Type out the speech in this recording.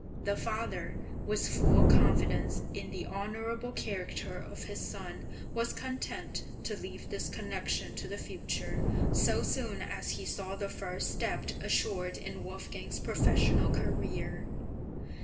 The father, with {LOVE OF FATHER AND SON.} (431) full confidence in the honourable character of his son, was content to leave this connection to the future so soon as he saw the first step assured in Wolfgang's professional career.